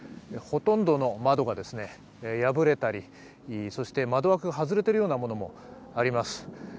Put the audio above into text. ほとんどの窓が破れたり窓枠が外れているようなものもあります。